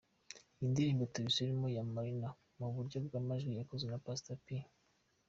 iyi ndirimbo 'Tubisubiremo' ya Marina mu buryo bw'amajwi yakozwe na Producer Pastor P.